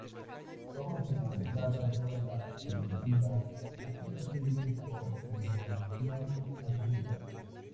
Toman como entrada toda la primitiva, a ser posible con información adjunta.